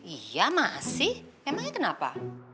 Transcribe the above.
iya masih memangnya kenapa